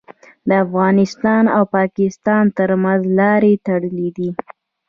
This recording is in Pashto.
د افغانستان او پاکستان ترمنځ لارې تړلي دي.